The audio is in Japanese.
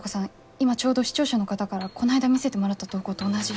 今ちょうど視聴者の方からこないだ見せてもらった投稿と同じ。